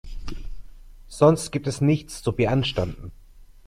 Sonst gibt es nichts zu beanstanden.